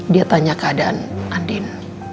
dia tanya keadaan andin